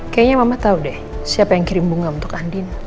kayaknya mama tahu deh siapa yang kirim bunga untuk andin